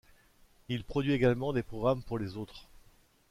Il produit également des programmes pour les autres.